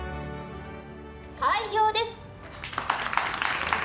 開業です。